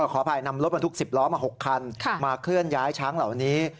ขออภัยนำรถบรรทุก๑๐ล้อมา๖คันมาเคลื่อนย้ายช้างเหล่านี้